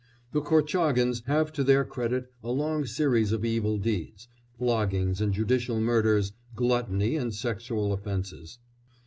The Korchágins have to their credit a long series of evil deeds, floggings and judicial murders, gluttony and sexual offences.